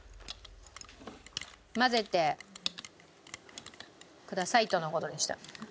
混ぜてくださいとの事でした。